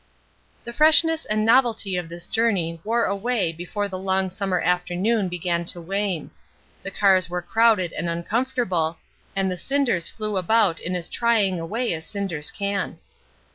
The freshness and novelty of this journey wore away before the long summer afternoon began to wane; the cars were crowded and uncomfortable, and the cinders flew about in as trying a way as cinders can.